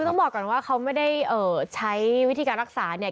ต้องบอกก่อนว่าเขาไม่ได้ใช้วิธีการรักษาเนี่ย